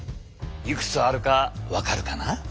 いくつあるか分かるかな？